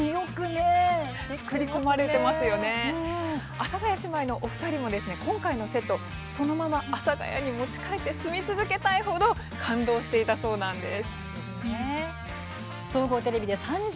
阿佐ヶ谷姉妹のお二人ですも今回のセット、そのまま阿佐ヶ谷に持ち帰って住み続けたいほど感動したそうです。